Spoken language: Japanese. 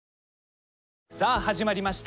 さあ始まりました！